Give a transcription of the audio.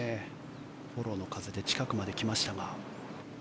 フォローの風で近くまで来ましたが。